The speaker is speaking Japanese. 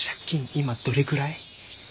今どれくらい？